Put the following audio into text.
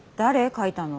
書いたの。